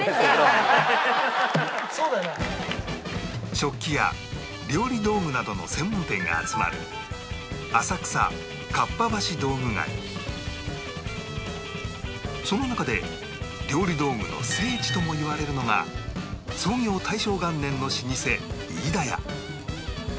食器や料理道具などの専門店が集まるその中で料理道具の聖地ともいわれるのが創業大正元年の老舗飯田屋